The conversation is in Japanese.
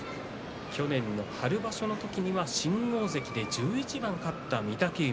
去年の春場所の時には新大関で１１番勝った御嶽海。